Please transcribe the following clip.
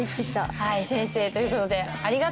先生という事でありがとうございました。